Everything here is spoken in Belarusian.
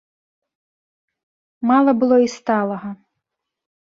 Мала было і сталага.